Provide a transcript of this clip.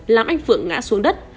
làm anh phượng ngã xuống đất